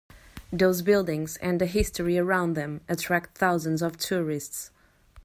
Those buildings and the history around them attract thousands of tourists.